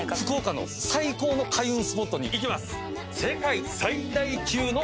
福岡の最高の開運スポットに行きます！